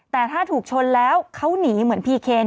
แต่ถ้าถูกชนแล้วเขาหนีเหมือนพีเคน